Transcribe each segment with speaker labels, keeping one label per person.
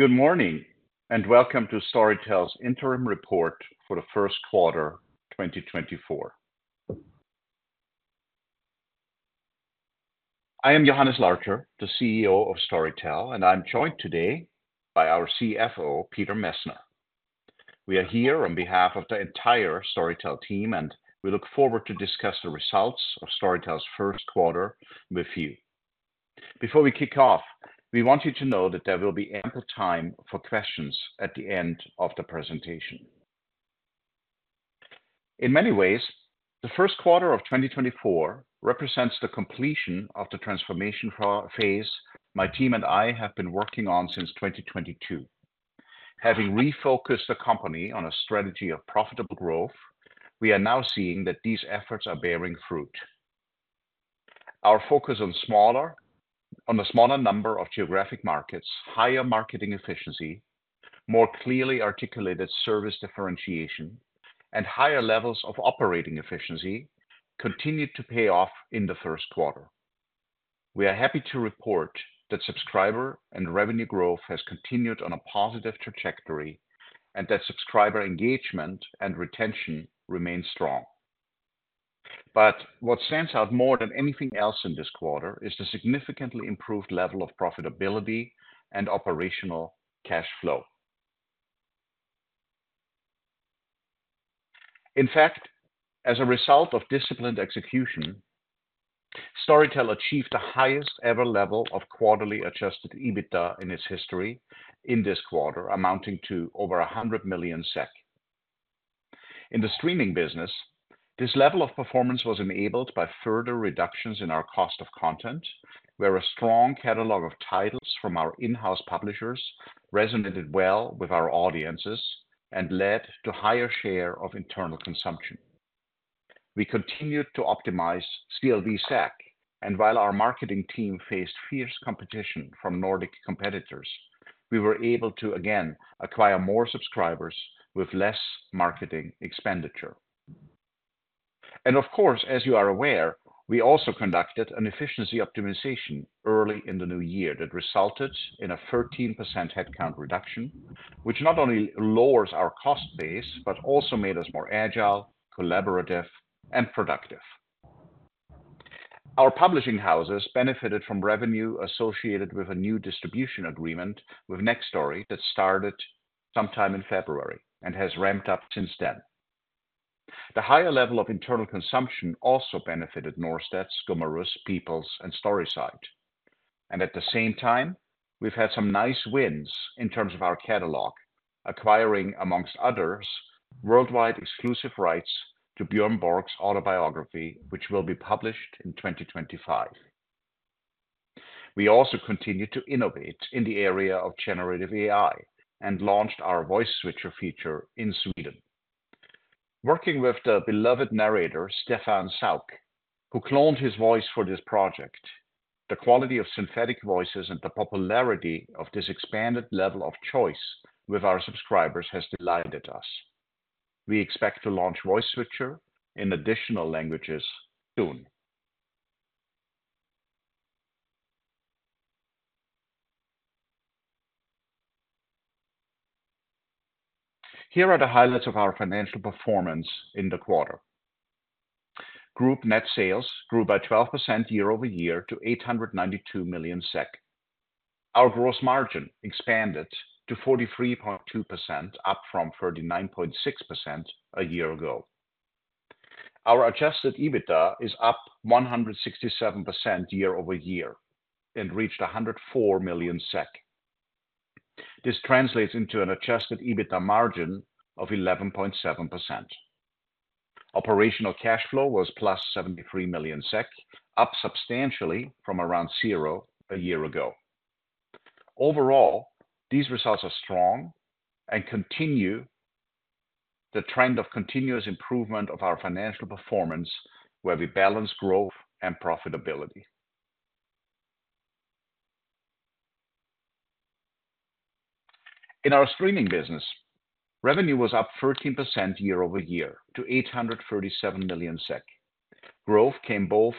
Speaker 1: Good morning, and welcome to Storytel's interim report for the first quarter, 2024. I am Johannes Larcher, the CEO of Storytel, and I'm joined today by our CFO, Peter Messner. We are here on behalf of the entire Storytel team, and we look forward to discuss the results of Storytel's first quarter with you. Before we kick off, we want you to know that there will be ample time for questions at the end of the presentation. In many ways, the first quarter of 2024 represents the completion of the transformation phase my team and I have been working on since 2022. Having refocused the company on a strategy of profitable growth, we are now seeing that these efforts are bearing fruit. Our focus on a smaller number of geographic markets, higher marketing efficiency, more clearly articulated service differentiation, and higher levels of operating efficiency continued to pay off in the first quarter. We are happy to report that subscriber and revenue growth has continued on a positive trajectory and that subscriber engagement and retention remain strong. But what stands out more than anything else in this quarter is the significantly improved level of profitability and operational cash flow. In fact, as a result of disciplined execution, Storytel achieved the highest ever level of quarterly adjusted EBITDA in its history in this quarter, amounting to over 100 million SEK. In the streaming business, this level of performance was enabled by further reductions in our cost of content, where a strong catalog of titles from our in-house publishers resonated well with our audiences and led to higher share of internal consumption. We continued to optimize CLV SAC, and while our marketing team faced fierce competition from Nordic competitors, we were able to again acquire more subscribers with less marketing expenditure. And of course, as you are aware, we also conducted an efficiency optimization early in the new year that resulted in a 13% headcount reduction, which not only lowers our cost base, but also made us more agile, collaborative, and productive. Our publishing houses benefited from revenue associated with a new distribution agreement with Nextory that started sometime in February and has ramped up since then. The higher level of internal consumption also benefited Norstedts, Gummerus, People's, and Storyside. At the same time, we've had some nice wins in terms of our catalog, acquiring, among others, worldwide exclusive rights to Björn Borg's autobiography, which will be published in 2025. We also continued to innovate in the area of Generative AI and launched our Voice Switcher feature in Sweden. Working with the beloved narrator, Stefan Sauk, who cloned his voice for this project, the quality of synthetic voices and the popularity of this expanded level of choice with our subscribers has delighted us. We expect to launch Voice Switcher in additional languages soon. Here are the highlights of our financial performance in the quarter. Group net sales grew by 12% year-over-year to 892 million SEK. Our gross margin expanded to 43.2%, up from 39.6% a year ago. Our adjusted EBITDA is up 167% year-over-year and reached 104 million SEK. This translates into an adjusted EBITDA margin of 11.7%. Operational cash flow was +73 million SEK, up substantially from around zero a year ago. Overall, these results are strong and continue the trend of continuous improvement of our financial performance, where we balance growth and profitability. In our streaming business, revenue was up 13% year-over-year to 837 million SEK. Growth came both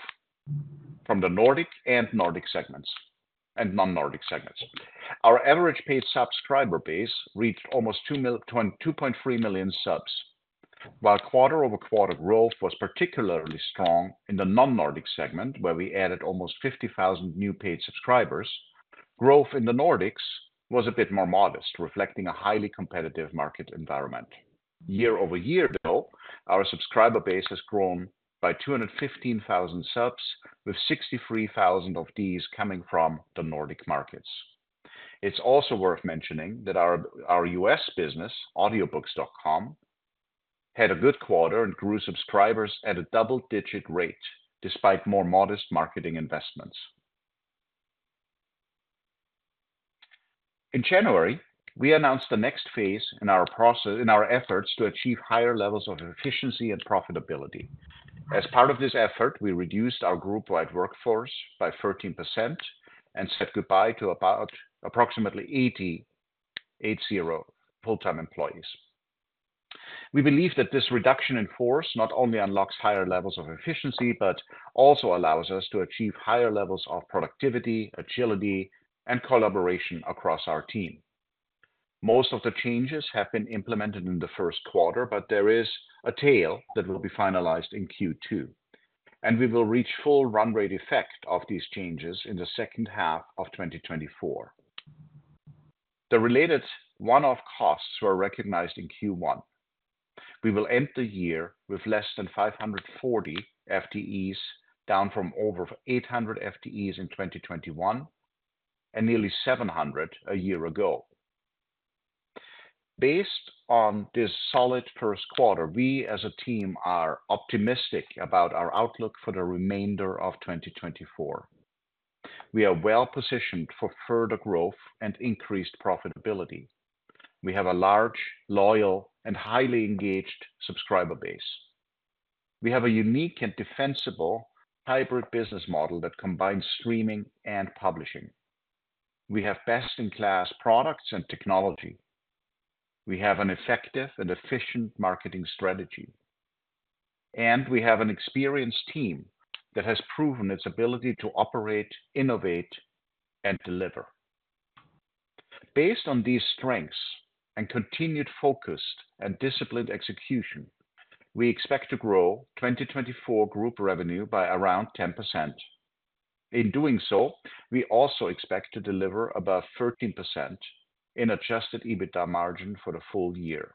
Speaker 1: from the Nordic and non-Nordic segments. Our average paid subscriber base reached almost 22.3 million subs, while quarter-over-quarter growth was particularly strong in the non-Nordic segment, where we added almost 50,000 new paid subscribers. Growth in the Nordics was a bit more modest, reflecting a highly competitive market environment. Year over year, though, our subscriber base has grown by 215,000 subs, with 63,000 of these coming from the Nordic markets. It's also worth mentioning that our, our U.S. business, Audiobooks.com, had a good quarter and grew subscribers at a double-digit rate, despite more modest marketing investments. In January, we announced the next phase in our process in our efforts to achieve higher levels of efficiency and profitability. As part of this effort, we reduced our group-wide workforce by 13% and said goodbye to about approximately 80 full-time employees. We believe that this reduction in force not only unlocks higher levels of efficiency, but also allows us to achieve higher levels of productivity, agility, and collaboration across our team. Most of the changes have been implemented in the first quarter, but there is a tail that will be finalized in Q2, and we will reach full run rate effect of these changes in the second half of 2024. The related one-off costs were recognized in Q1. We will end the year with less than 540 FTEs, down from over 800 FTEs in 2021, and nearly 700 a year ago. Based on this solid first quarter, we as a team, are optimistic about our outlook for the remainder of 2024. We are well positioned for further growth and increased profitability. We have a large, loyal, and highly engaged subscriber base. We have a unique and defensible hybrid business model that combines streaming and publishing. We have best-in-class products and technology. We have an effective and efficient marketing strategy, and we have an experienced team that has proven its ability to operate, innovate, and deliver. Based on these strengths and continued focused and disciplined execution, we expect to grow 2024 group revenue by around 10%. In doing so, we also expect to deliver above 13% in Adjusted EBITDA margin for the full year.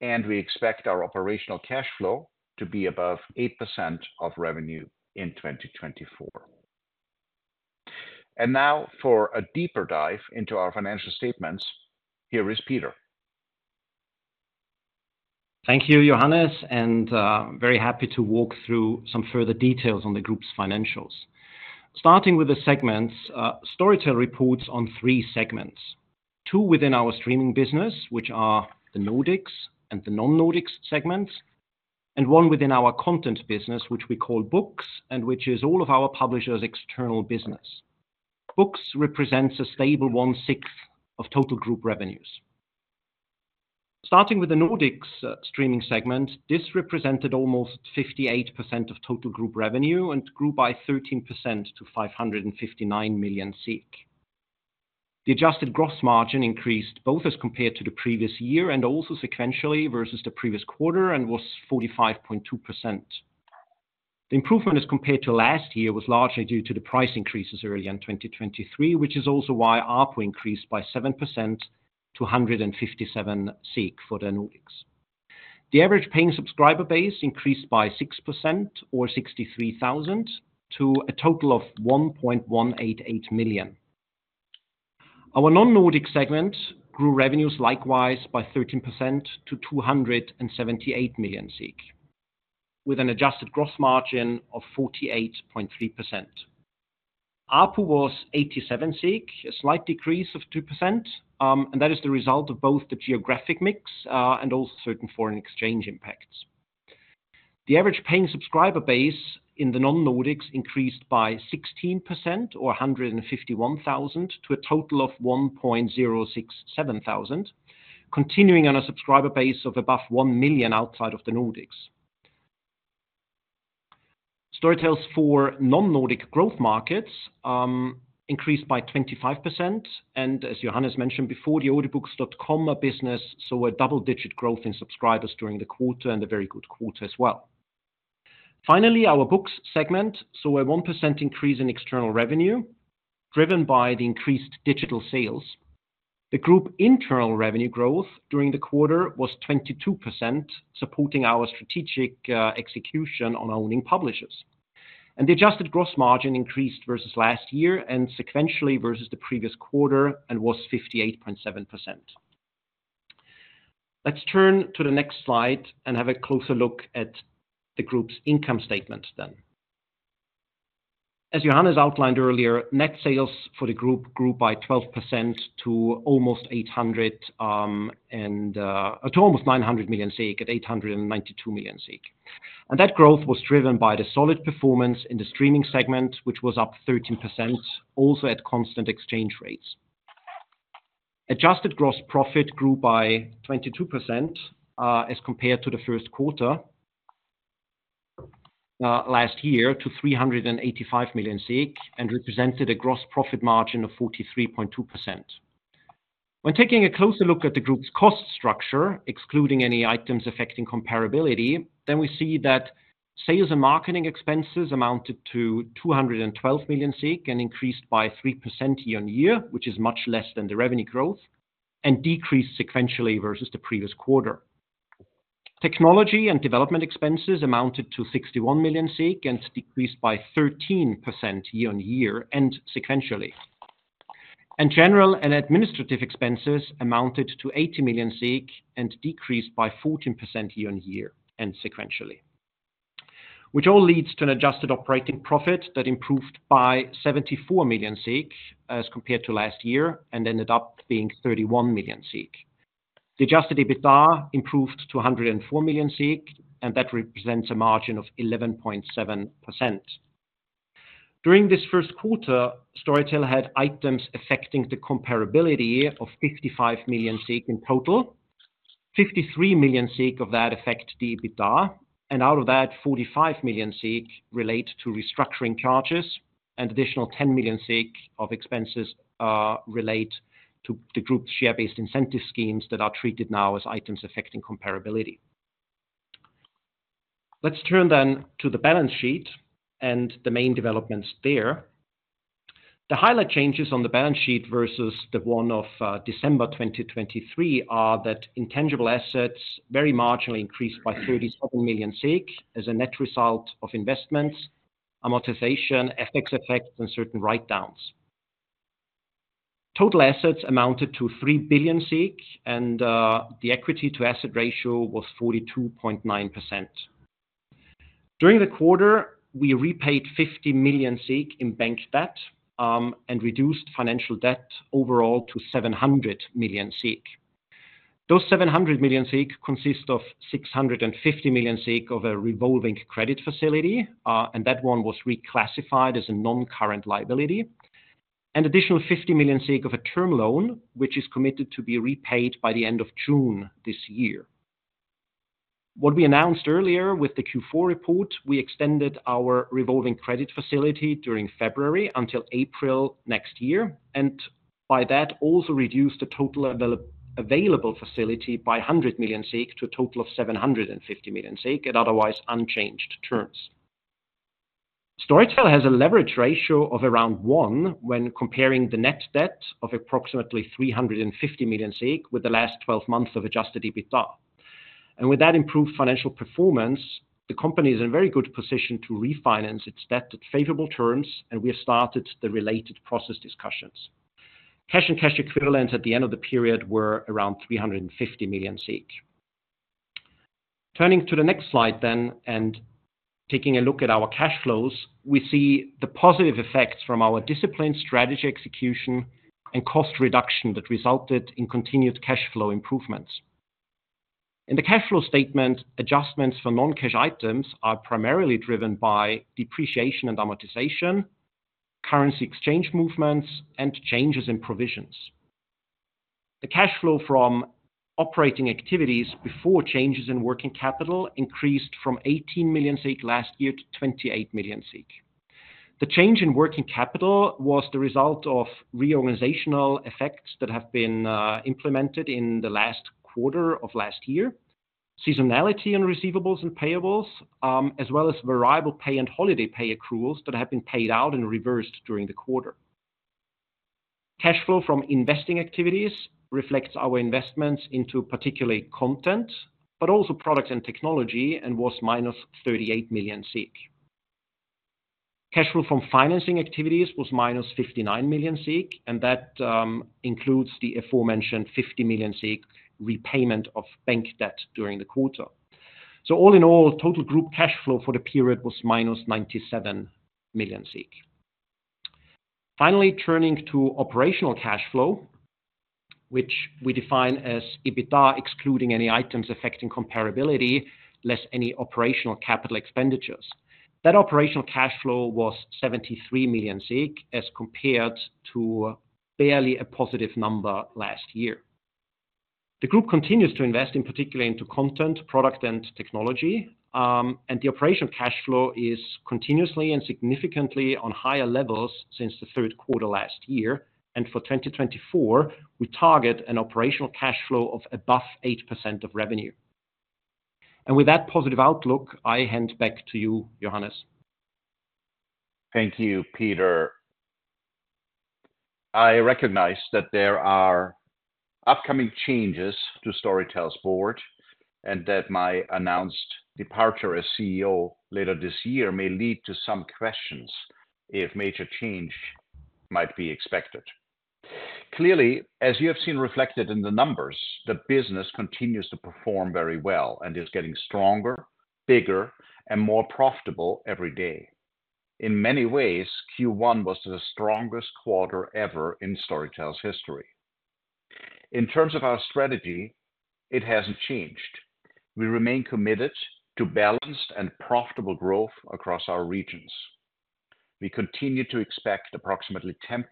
Speaker 1: We expect our operational cash flow to be above 8% of revenue in 2024. Now for a deeper dive into our financial statements, here is Peter.
Speaker 2: Thank you, Johannes, and very happy to walk through some further details on the group's financials. Starting with the segments, Storytel reports on three segments. Two within our streaming business, which are the Nordics and the non-Nordics segments, and one within our content business, which we call Books, and which is all of our publishers external business. Books represents a stable one-sixth of total group revenues. Starting with the Nordics, streaming segment, this represented almost 58% of total group revenue and grew by 13% to 559 million. The adjusted gross margin increased, both as compared to the previous year and also sequentially versus the previous quarter, and was 45.2%. The improvement as compared to last year, was largely due to the price increases early in 2023, which is also why ARPU increased by 7% to 157 SEK for the Nordics. The average paying subscriber base increased by 6% or 63,000 to a total of 1.188 million. Our non-Nordic segment grew revenues likewise by 13% to 278 million SEK, with an adjusted gross margin of 48.3%. ARPU was 87 SEK, a slight decrease of 2%, and that is the result of both the geographic mix, and also certain foreign exchange impacts. The average paying subscriber base in the non-Nordics increased by 16% or 151,000, to a total of 1.067 million, continuing on a subscriber base of above one million outside of the Nordics. Storytel's four non-Nordic growth markets increased by 25%, and as Johannes mentioned before, the Audiobooks.com business saw a double-digit growth in subscribers during the quarter, and a very good quarter as well. Finally, our books segment saw a 1% increase in external revenue, driven by the increased digital sales. The group internal revenue growth during the quarter was 22%, supporting our strategic execution on our owning publishers. The adjusted gross margin increased versus last year and sequentially versus the previous quarter, and was 58.7%. Let's turn to the next slide and have a closer look at the group's income statement then. As Johannes outlined earlier, net sales for the group grew by 12% to almost 800, to almost 900 million SEK at 892 million. That growth was driven by the solid performance in the streaming segment, which was up 13%, also at constant exchange rates. Adjusted gross profit grew by 22%, as compared to the first quarter last year, to 385 million, and represented a gross profit margin of 43.2%. When taking a closer look at the group's cost structure, excluding any items affecting comparability, then we see that sales and marketing expenses amounted to 212 million, and increased by 3% year-on-year, which is much less than the revenue growth, and decreased sequentially versus the previous quarter. Technology and development expenses amounted to 61 million, and decreased by 13% year-on-year and sequentially. General and administrative expenses amounted to 80 million, and decreased by 14% year-on-year and sequentially. Which all leads to an adjusted operating profit that improved by 74 million as compared to last year, and ended up being 31 million. The adjusted EBITDA improved to 104 million, and that represents a margin of 11.7%.... During this first quarter, Storytel had items affecting the comparability of 55 million in total. 53 million of that affect the EBITDA, and out of that, 45 million relate to restructuring charges, and additional 10 million of expenses relate to the group's share-based incentive schemes that are treated now as items affecting comparability. Let's turn then to the balance sheet and the main developments there. The highlight changes on the balance sheet versus the one of December 2023 are that intangible assets very marginally increased by 37 million as a net result of investments, amortization, FX effects, and certain write-downs. Total assets amounted to 3 billion, and the equity to asset ratio was 42.9%. During the quarter, we repaid 50 million in bank debt, and reduced financial debt overall to 700 million. Those 700 million consist of 650 million of a revolving credit facility, and that one was reclassified as a non-current liability. An additional 50 million of a term loan, which is committed to be repaid by the end of June this year. What we announced earlier with the Q4 report, we extended our revolving credit facility during February until April next year, and by that also reduced the total available facility by 100 million SEK to a total of 750 million at otherwise unchanged terms. Storytel has a leverage ratio of around one when comparing the net debt of approximately 350 million with the last twelve months of adjusted EBITDA. With that improved financial performance, the company is in a very good position to refinance its debt at favorable terms, and we have started the related process discussions. Cash and cash equivalents at the end of the period were around 350 million. Turning to the next slide then, and taking a look at our cash flows, we see the positive effects from our disciplined strategy execution and cost reduction that resulted in continued cash flow improvements. In the cash flow statement, adjustments for non-cash items are primarily driven by depreciation and amortization, currency exchange movements, and changes in provisions. The cash flow from operating activities before changes in working capital increased from 18 million last year to 28 million. The change in working capital was the result of reorganizational effects that have been implemented in the last quarter of last year, seasonality on receivables and payables, as well as variable pay and holiday pay accruals that have been paid out and reversed during the quarter. Cash flow from investing activities reflects our investments into particularly content, but also products and technology, and was -38 million. Cash flow from financing activities was -59 million, and that includes the aforementioned 50 million repayment of bank debt during the quarter. So all in all, total group cash flow for the period was -97 million. Finally, turning to operational cash flow, which we define as EBITDA, excluding any items affecting comparability, less any operational capital expenditures. That operational cash flow was 73 million, as compared to barely a positive number last year. The group continues to invest, in particular into content, product, and technology, and the operational cash flow is continuously and significantly on higher levels since the third quarter last year, and for 2024, we target an operational cash flow of above 8% of revenue. With that positive outlook, I hand back to you, Johannes.
Speaker 1: Thank you, Peter. I recognize that there are upcoming changes to Storytel's board, and that my announced departure as CEO later this year may lead to some questions if major change might be expected. Clearly, as you have seen reflected in the numbers, the business continues to perform very well and is getting stronger, bigger, and more profitable every day. In many ways, Q1 was the strongest quarter ever in Storytel's history. In terms of our strategy, it hasn't changed. We remain committed to balanced and profitable growth across our regions. We continue to expect approximately 10%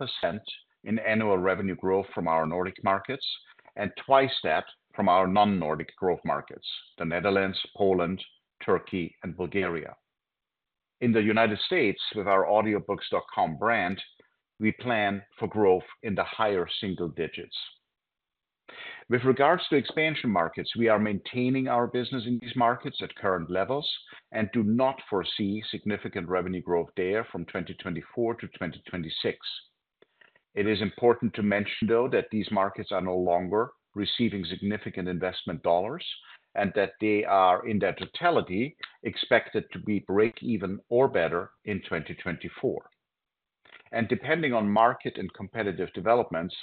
Speaker 1: in annual revenue growth from our Nordic markets and twice that from our non-Nordic growth markets, the Netherlands, Poland, Turkey, and Bulgaria. In the United States, with our Audiobooks.com brand, we plan for growth in the higher single digits. With regards to expansion markets, we are maintaining our business in these markets at current levels and do not foresee significant revenue growth there from 2024 to 2026. It is important to mention, though, that these markets are no longer receiving significant investment dollars and that they are, in their totality, expected to be break even or better in 2024. Depending on market and competitive developments,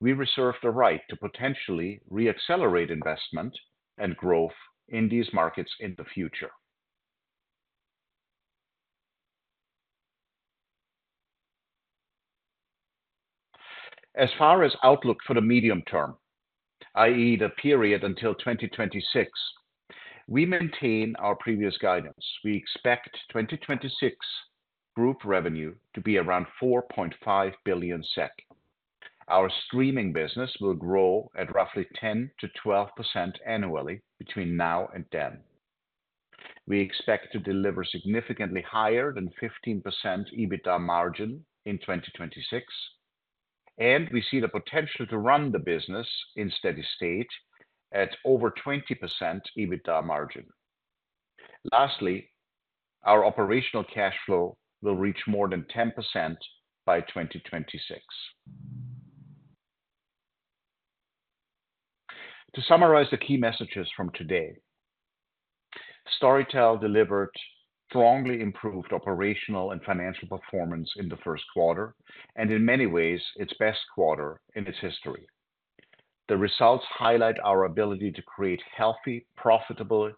Speaker 1: we reserve the right to potentially re-accelerate investment and growth in these markets in the future... As far as outlook for the medium term, i.e., the period until 2026, we maintain our previous guidance. We expect 2026 group revenue to be around 4.5 billion SEK. Our streaming business will grow at roughly 10%-12% annually between now and then. We expect to deliver significantly higher than 15% EBITDA margin in 2026, and we see the potential to run the business in steady state at over 20% EBITDA margin. Lastly, our operational cash flow will reach more than 10% by 2026. To summarize the key messages from today, Storytel delivered strongly improved operational and financial performance in the first quarter, and in many ways, its best quarter in its history. The results highlight our ability to create healthy, profitable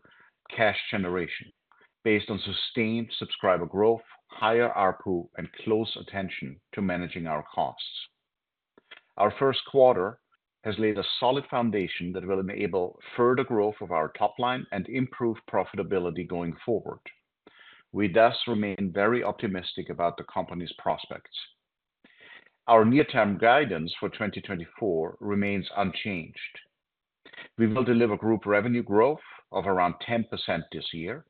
Speaker 1: cash generation based on sustained subscriber growth, higher ARPU, and close attention to managing our costs. Our first quarter has laid a solid foundation that will enable further growth of our top line and improve profitability going forward. We thus remain very optimistic about the company's prospects. Our near-term guidance for 2024 remains unchanged. We will deliver group revenue growth of around 10% this year.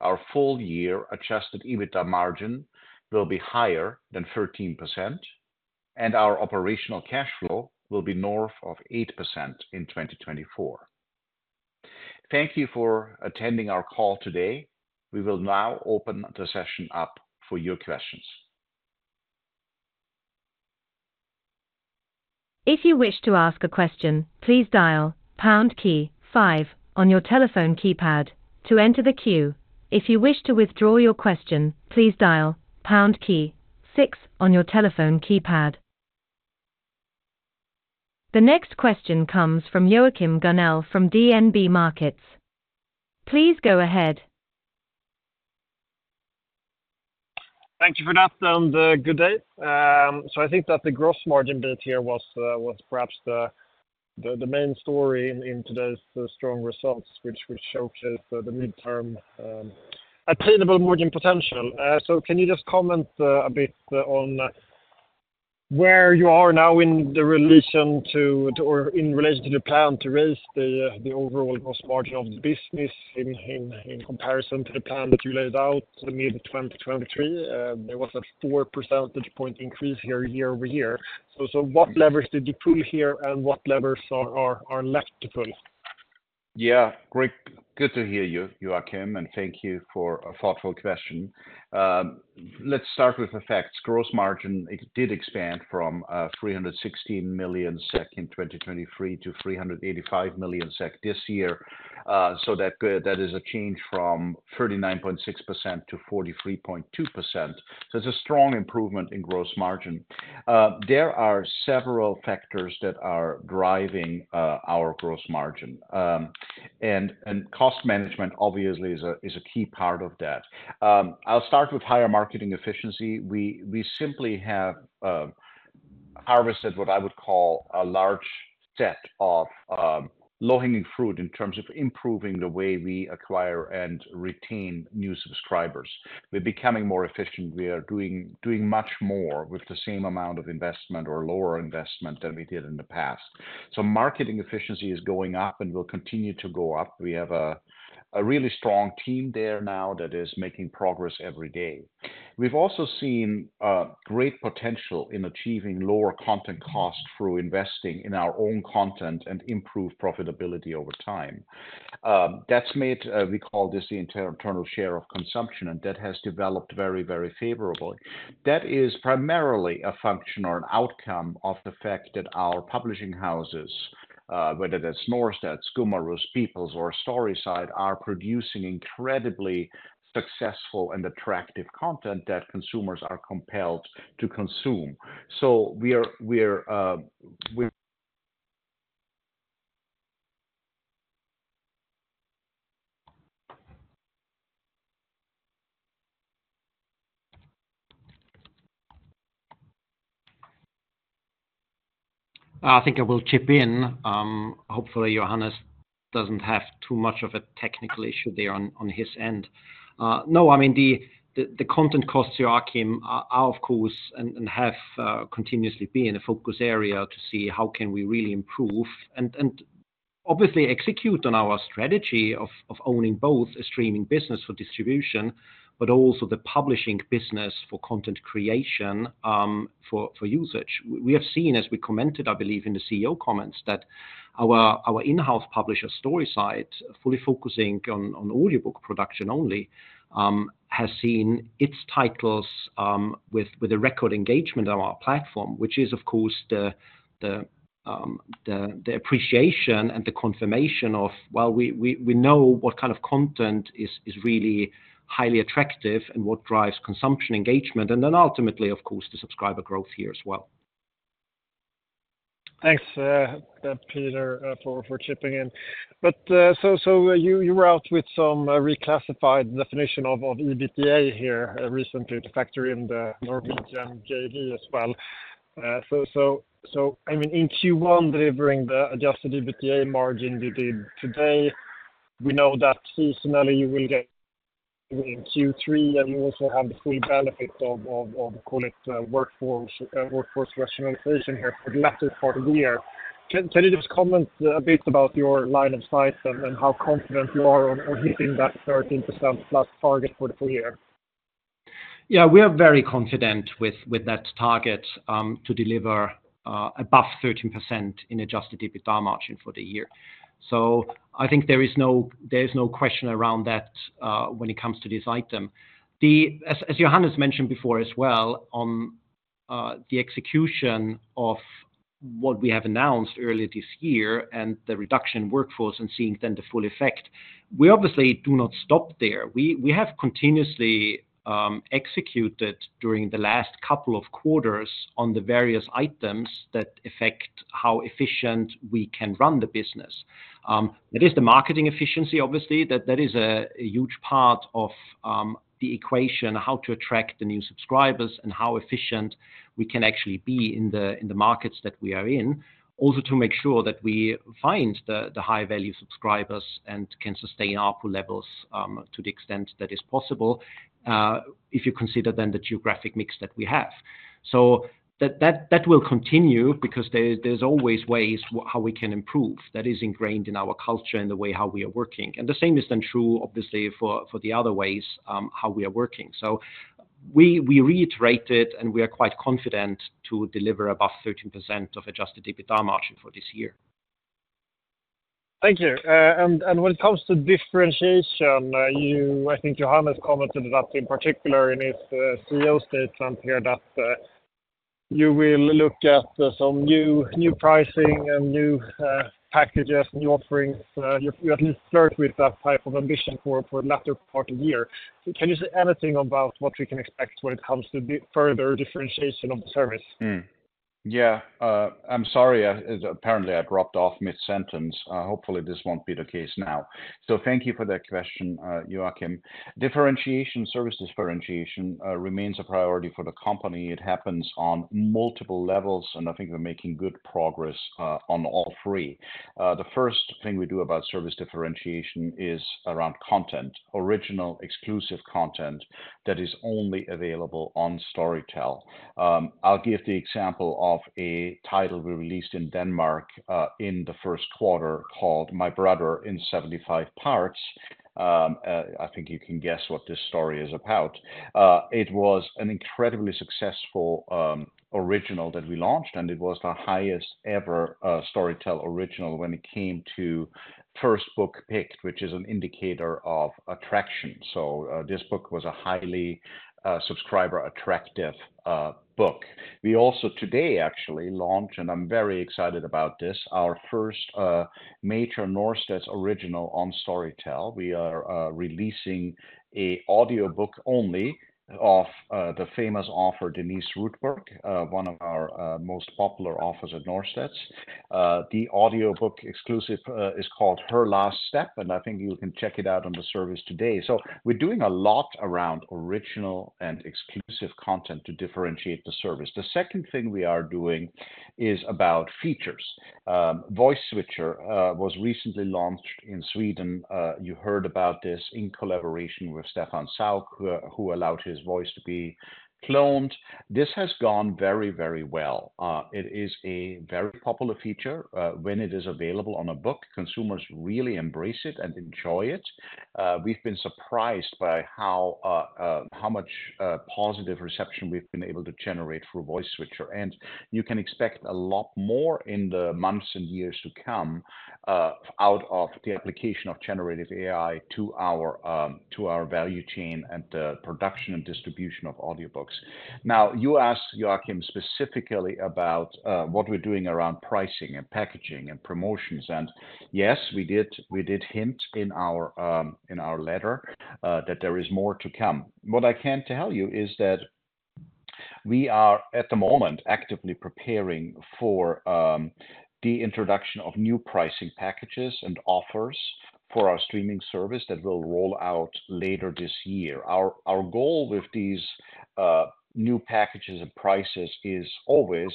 Speaker 1: Our full year Adjusted EBITDA margin will be higher than 13%, and our Operational Cash Flow will be north of 8% in 2024. Thank you for attending our call today. We will now open the session up for your questions.
Speaker 3: If you wish to ask a question, please dial pound key five on your telephone keypad to enter the queue. If you wish to withdraw your question, please dial pound key six on your telephone keypad. The next question comes from Joachim Gunell from DNB Markets. Please go ahead.
Speaker 4: Thank you for that, and good day. So I think that the gross margin bit here was perhaps the main story in today's strong results, which showcases the midterm attainable margin potential. So can you just comment a bit on where you are now in relation to the plan to raise the overall gross margin of the business in comparison to the plan that you laid out in mid-2023? There was a 4 percentage point increase year-over-year. So what levers did you pull here, and what levers are left to pull?
Speaker 1: Yeah, great. Good to hear you, Joachim, and thank you for a thoughtful question. Let's start with the facts. Gross margin, it did expand from 316 million SEK in 2023 to 385 million SEK this year. So that good, that is a change from 39.6%-43.2%. So it's a strong improvement in gross margin. There are several factors that are driving our gross margin. And cost management obviously is a key part of that. I'll start with higher marketing efficiency. We simply have harvested what I would call a large set of low-hanging fruit in terms of improving the way we acquire and retain new subscribers. We're becoming more efficient. We are doing much more with the same amount of investment or lower investment than we did in the past. So marketing efficiency is going up and will continue to go up. We have a really strong team there now that is making progress every day. We've also seen great potential in achieving lower content costs through investing in our own content and improved profitability over time. That's made, we call this the internal share of consumption, and that has developed very, very favorably. That is primarily a function or an outcome of the fact that our publishing houses, whether that's Norstedts, Gummerus, People's, or Storyside, are producing incredibly successful and attractive content that consumers are compelled to consume. So we are, we are, we-
Speaker 2: I think I will chip in. Hopefully, Johannes doesn't have too much of a technical issue there on his end. No, I mean, the content costs, Joachim, are, of course, and have continuously been a focus area to see how can we really improve and obviously execute on our strategy of owning both a streaming business for distribution, but also the publishing business for content creation, for usage. We have seen, as we commented, I believe, in the CEO comments, that our in-house publisher, Storyside, fully focusing on audiobook production only, has seen its titles with a record engagement on our platform, which is, of course, the appreciation and the confirmation of, well, we know what kind of content is really highly attractive and what drives consumption engagement, and then ultimately, of course, the subscriber growth here as well....
Speaker 4: Thanks, Peter, for chipping in. But, so, so you were out with some reclassified definition of EBITDA here recently to factor in the Norwegian JV as well. So, I mean, in Q1, delivering the adjusted EBITDA margin you did today, we know that seasonally you will get in Q3, and you also have the full benefit of, call it, workforce rationalization here for the latter part of the year. Can you just comment a bit about your line of sight and how confident you are on hitting that 13%+ target for the full year?
Speaker 2: Yeah, we are very confident with that target to deliver above 13% in Adjusted EBITDA margin for the year. So I think there is no question around that when it comes to this item. As Johannes mentioned before as well, on the execution of what we have announced earlier this year and the reduction in workforce and seeing then the full effect, we obviously do not stop there. We have continuously executed during the last couple of quarters on the various items that affect how efficient we can run the business. It is the marketing efficiency, obviously, that is a huge part of the equation, how to attract the new subscribers and how efficient we can actually be in the markets that we are in. Also, to make sure that we find the high-value subscribers and can sustain ARPU levels, to the extent that is possible, if you consider then the geographic mix that we have. So that will continue because there's always ways how we can improve. That is ingrained in our culture and the way how we are working. And the same is then true, obviously, for the other ways how we are working. So we reiterate it, and we are quite confident to deliver above 13% Adjusted EBITDA margin for this year.
Speaker 4: Thank you. And when it comes to differentiation, you—I think Johannes commented that in particular in his CEO statement here, that you will look at some new pricing and new packages, new offerings. You at least start with that type of ambition for the latter part of the year. So can you say anything about what we can expect when it comes to the further differentiation of the service?
Speaker 1: Hmm. Yeah. I'm sorry, apparently I dropped off mid-sentence. Hopefully, this won't be the case now. So thank you for that question, Joachim. Differentiation, service differentiation, remains a priority for the company. It happens on multiple levels, and I think we're making good progress on all three. The first thing we do about service differentiation is around content, original, exclusive content that is only available on Storytel. I'll give the example of a title we released in Denmark, in the first quarter, called My Brother in 75 Parts. I think you can guess what this story is about. It was an incredibly successful original that we launched, and it was the highest ever Storytel original when it came to first book picked, which is an indicator of attraction. So, this book was a highly, subscriber-attractive, book. We also today actually launched, and I'm very excited about this, our first, major Norstedts original on Storytel. We are, releasing an audiobook only of, the famous author Denise Rudberg, one of our, most popular authors at Norstedts. The audiobook exclusive is called Her Last Step, and I think you can check it out on the service today. So we're doing a lot around original and exclusive content to differentiate the service. The second thing we are doing is about features. Voice Switcher was recently launched in Sweden. You heard about this in collaboration with Stefan Sauk, who allowed his voice to be cloned. This has gone very, very well. It is a very popular feature. When it is available on a book, consumers really embrace it and enjoy it. We've been surprised by how much positive reception we've been able to generate through Voice Switcher, and you can expect a lot more in the months and years to come out of the application of Generative AI to our to our value chain and the production and distribution of audiobooks. Now, you asked, Joachim, specifically about what we're doing around pricing and packaging and promotions, and yes, we did, we did hint in our in our letter that there is more to come. What I can tell you is that we are, at the moment, actively preparing for the introduction of new pricing packages and offers for our streaming service that will roll out later this year. Our goal with these new packages and prices is always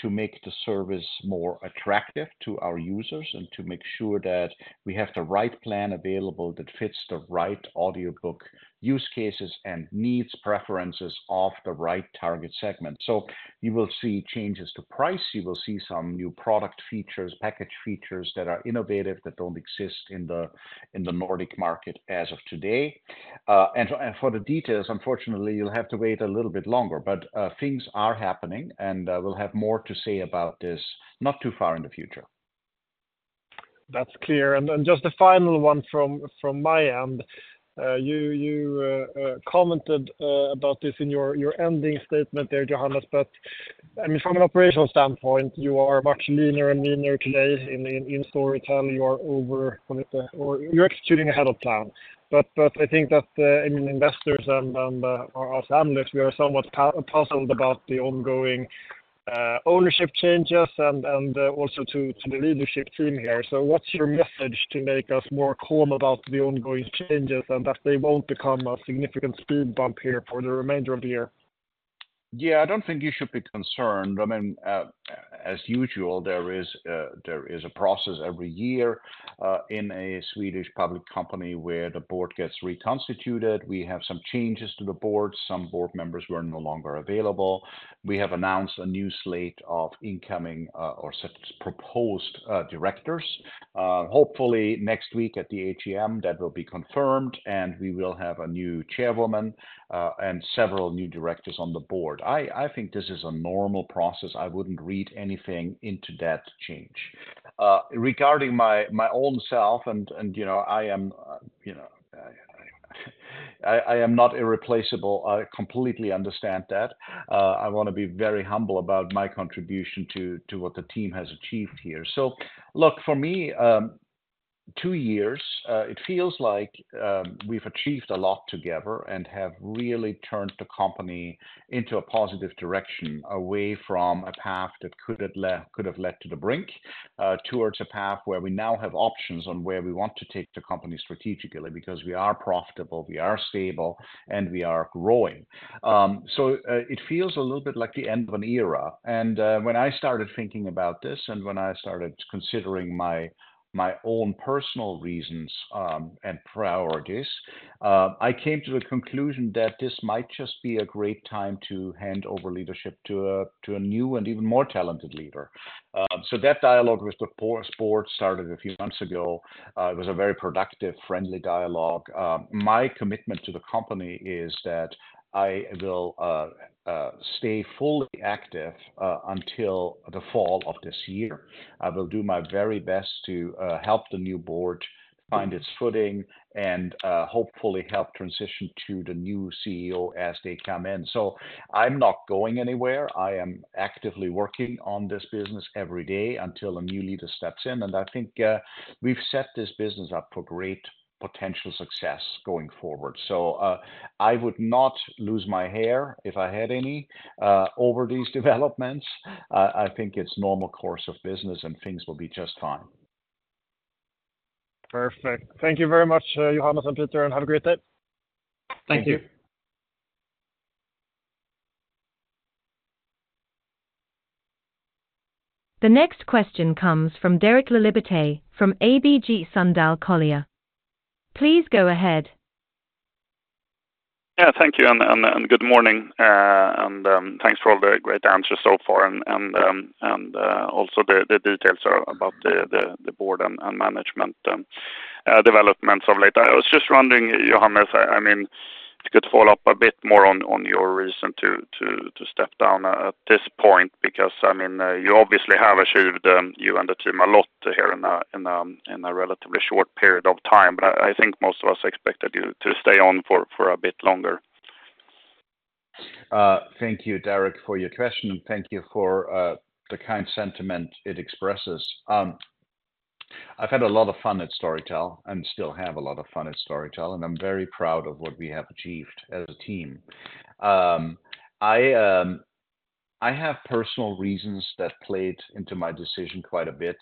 Speaker 1: to make the service more attractive to our users and to make sure that we have the right plan available that fits the right audiobook use cases, and needs, preferences of the right target segment. So you will see changes to price. You will see some new product features, package features that are innovative, that don't exist in the Nordic market as of today. And for the details, unfortunately, you'll have to wait a little bit longer. But things are happening, and we'll have more to say about this not too far in the future.
Speaker 4: That's clear. And then just the final one from my end. You commented about this in your ending statement there, Johannes, but I mean, from an operational standpoint, you are much leaner and leaner today in Storytel. You are over, call it. You're executing ahead of time. But I think that, I mean, investors and us analysts, we are somewhat puzzled about the ongoing ownership changes and also to the leadership team here. So what's your message to make us more calm about the ongoing changes, and that they won't become a significant speed bump here for the remainder of the year?
Speaker 1: Yeah, I don't think you should be concerned. I mean, as usual, there is a process every year in a Swedish public company where the board gets reconstituted. We have some changes to the board. Some board members were no longer available. We have announced a new slate of incoming or proposed directors. Hopefully, next week at the AGM, that will be confirmed, and we will have a new chairwoman and several new directors on the board. I think this is a normal process. I wouldn't read anything into that change. Regarding my own self, and you know, I am, you know, I am not irreplaceable. I completely understand that. I wanna be very humble about my contribution to what the team has achieved here. So look, for me, two years, it feels like we've achieved a lot together and have really turned the company into a positive direction, away from a path that could have led to the brink, towards a path where we now have options on where we want to take the company strategically. Because we are profitable, we are stable, and we are growing. So, it feels a little bit like the end of an era, and when I started thinking about this, and when I started considering my own personal reasons and priorities, I came to the conclusion that this might just be a great time to hand over leadership to a new and even more talented leader. So that dialogue with the board started a few months ago. It was a very productive, friendly dialogue. My commitment to the company is that I will stay fully active until the fall of this year. I will do my very best to help the new board find its footing and hopefully help transition to the new CEO as they come in. So I'm not going anywhere. I am actively working on this business every day until a new leader steps in, and I think we've set this business up for great potential success going forward. So I would not lose my hair, if I had any, over these developments. I think it's normal course of business, and things will be just fine.
Speaker 4: Perfect. Thank you very much, Johannes and Peter, and have a great day.
Speaker 1: Thank you.
Speaker 3: The next question comes from Derek Laliberte, from ABG Sundal Collier. Please go ahead.
Speaker 5: Yeah, thank you, and good morning, and thanks for all the great answers so far, and also the board and management developments of late. I was just wondering, Johannes, I mean, if you could follow up a bit more on your reason to step down at this point, because, I mean, you obviously have achieved, you and the team a lot here in a relatively short period of time. But I think most of us expected you to stay on for a bit longer.
Speaker 1: Thank you, Derek, for your question, and thank you for the kind sentiment it expresses. I've had a lot of fun at Storytel and still have a lot of fun at Storytel, and I'm very proud of what we have achieved as a team. I have personal reasons that played into my decision quite a bit.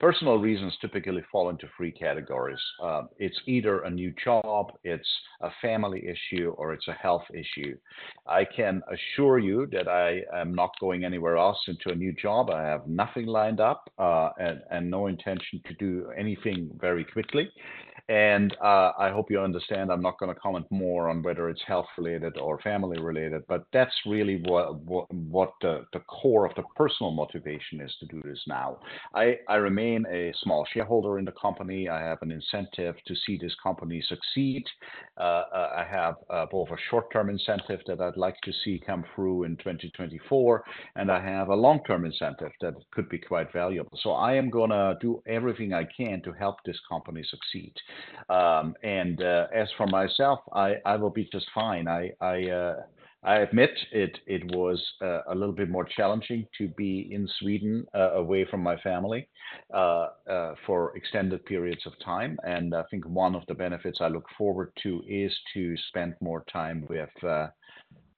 Speaker 1: Personal reasons typically fall into three categories. It's either a new job, it's a family issue, or it's a health issue. I can assure you that I am not going anywhere else into a new job. I have nothing lined up, and no intention to do anything very quickly. I hope you understand I'm not gonna comment more on whether it's health related or family related, but that's really what the core of the personal motivation is to do this now. I remain a small shareholder in the company. I have an incentive to see this company succeed. I have both a short-term incentive that I'd like to see come through in 2024, and I have a long-term incentive that could be quite valuable. So I am gonna do everything I can to help this company succeed. As for myself, I will be just fine. I admit it, it was a little bit more challenging to be in Sweden, away from my family, for extended periods of time. I think one of the benefits I look forward to is to spend more time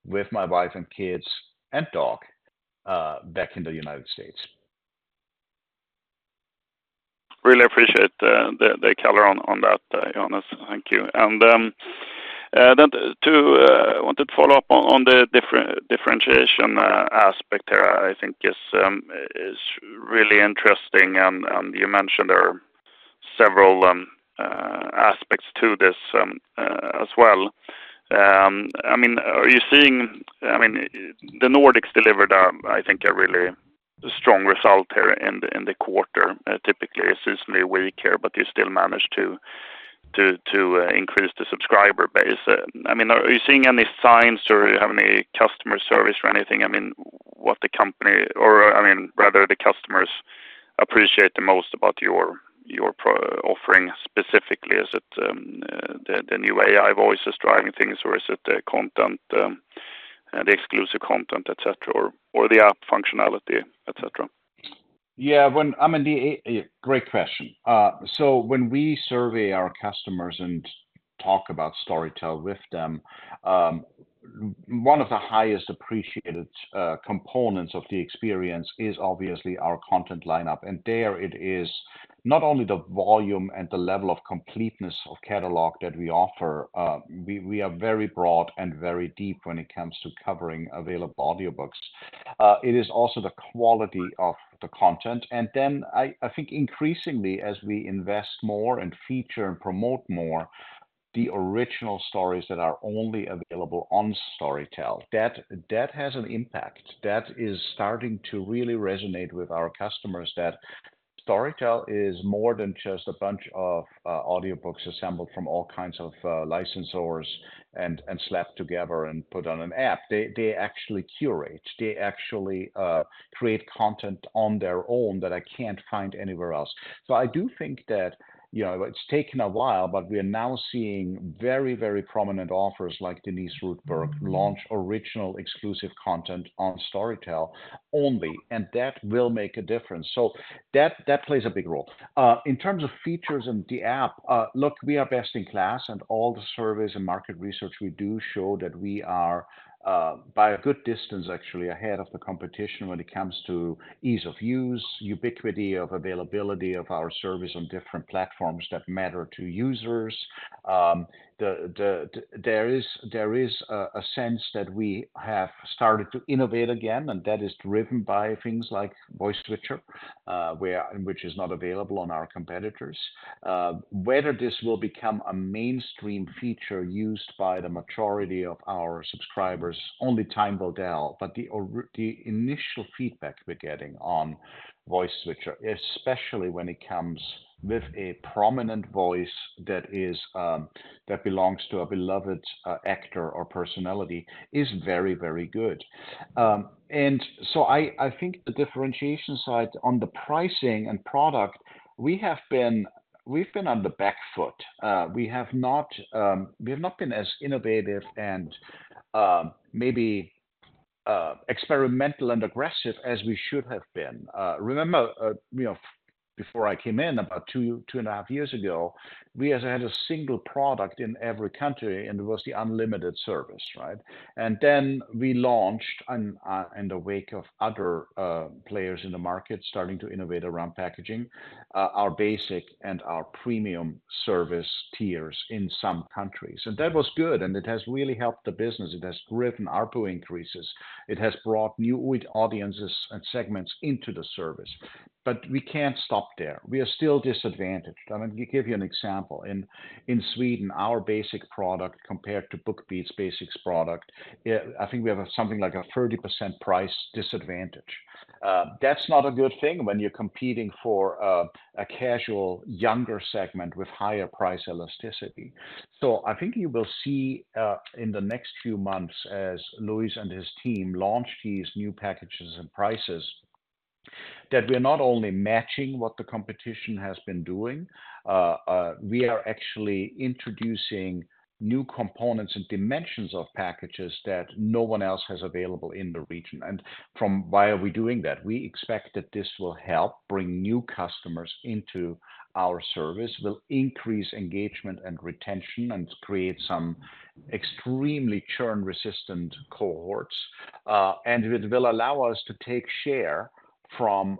Speaker 1: with my wife and kids and dog back in the United States.
Speaker 5: Really appreciate the color on that, Johannes. Thank you. Then wanted to follow up on the differentiation aspect there, I think is really interesting, and you mentioned there are several aspects to this as well. I mean, are you seeing... I mean, the Nordics delivered I think a really strong result here in the quarter. Typically, it's usually weak here, but you still managed to increase the subscriber base. I mean, are you seeing any signs or you have any customer service or anything? I mean, what the company or, I mean, rather the customers appreciate the most about your offering specifically, is it the new AI voice that's driving things, or is it the content, the exclusive content, et cetera, or the app functionality, et cetera?...
Speaker 1: Yeah, when, I mean, the great question. So when we survey our customers and talk about Storytel with them, one of the highest appreciated components of the experience is obviously our content lineup. And there it is, not only the volume and the level of completeness of catalog that we offer, we are very broad and very deep when it comes to covering available audiobooks. It is also the quality of the content, and then I think increasingly as we invest more and feature and promote more, the original stories that are only available on Storytel, that has an impact. That is starting to really resonate with our customers, that Storytel is more than just a bunch of audiobooks assembled from all kinds of licensors and slapped together and put on an app. They actually curate. They actually create content on their own that I can't find anywhere else. So I do think that, you know, it's taken a while, but we are now seeing very, very prominent authors like Denise Rudberg launch original exclusive content on Storytel only, and that will make a difference. So that plays a big role. In terms of features and the app, look, we are best in class, and all the surveys and market research we do show that we are by a good distance, actually ahead of the competition when it comes to ease of use, ubiquity of availability of our service on different platforms that matter to users. There is a sense that we have started to innovate again, and that is driven by things like Voice Switcher, which is not available on our competitors. Whether this will become a mainstream feature used by the majority of our subscribers, only time will tell. The initial feedback we're getting on Voice Switcher, especially when it comes with a prominent voice that belongs to a beloved actor or personality, is very, very good. And so I think the differentiation side on the pricing and product, we've been on the back foot. We have not been as innovative and maybe experimental and aggressive as we should have been. Remember, you know, before I came in, about 2, 2.5 years ago, we had a single product in every country, and it was the unlimited service, right? And then we launched, in the wake of other players in the market starting to innovate around packaging, our basic and our premium service tiers in some countries. And that was good, and it has really helped the business. It has driven ARPU increases. It has brought new audiences and segments into the service, but we can't stop there. We are still disadvantaged. Let me give you an example. In Sweden, our basic product compared to BookBeat's basic product, I think we have something like a 30% price disadvantage. That's not a good thing when you're competing for a casual, younger segment with higher price elasticity. So I think you will see in the next few months, as Luis and his team launch these new packages and prices, that we are not only matching what the competition has been doing, we are actually introducing new components and dimensions of packages that no one else has available in the region. Why are we doing that? We expect that this will help bring new customers into our service, will increase engagement and retention, and create some extremely churn-resistant cohorts. And it will allow us to take share from